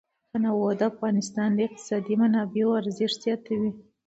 تنوع د افغانستان د اقتصادي منابعو ارزښت زیاتوي.